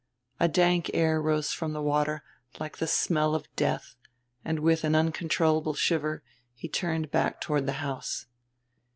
A dank air rose from the water, like the smell of death; and, with an uncontrollable shiver, he turned back toward the house.